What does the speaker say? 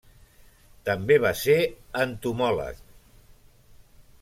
També va ser entomòleg.